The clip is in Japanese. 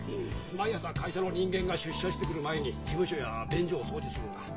毎朝会社の人間が出社してくる前に事務所や便所を掃除するんだ。